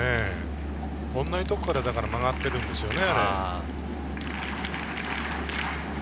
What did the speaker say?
同じ所から曲がってるんですよね。